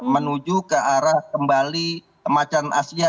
menuju ke arah kembali macan asia